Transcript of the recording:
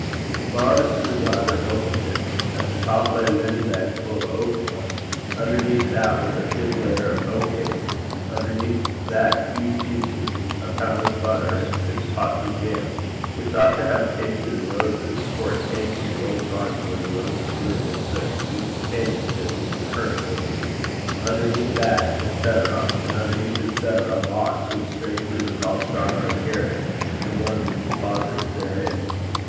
He borrowed a screwdriver and opened it. At the top lay a linen bag full of oatmeal; underneath that was a thick layer of oat cake; underneath that two cheeses, a pound of butter, and six pots of jam, which ought to have tasted of roses, for it came from the old garden where the roses lived in such sweet companionship with the currant bushes; underneath that, &c. and underneath, &c., a box which strangely recalled Shargar's garret, and one of the closets therein.